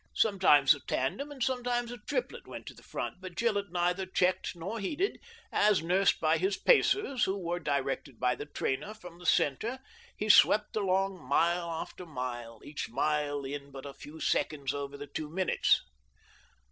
Sometimes the tandem and sometimes the triplet went to the front, but Gillett neither checked nor heeded as, nursed by his pacers, who were directed by the trainer from the centre, he swept along mile after mile, each mile in but a few seconds over the two minutes.